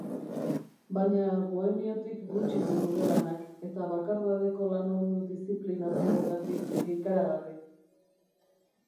Baina bohemiotik gutxi du gure lanak, eta bakardadeko lan-ordu diziplinatuetatik, ikaragarri.